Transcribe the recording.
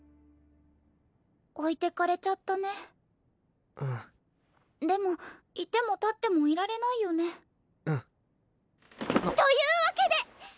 置いてかれちゃったねうんでもいても立ってもいられないよねうんというわけで！